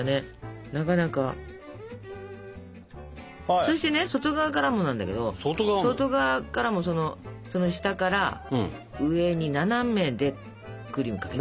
そしてね外側からもなんだけど外側からもその下から上に斜めでクリームかけて。